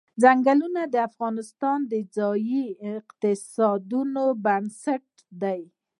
ځنګلونه د افغانستان د ځایي اقتصادونو بنسټ دی.